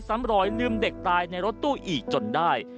ซ้ำรอยลืมเด็กตายในรถตู้อีกจนได้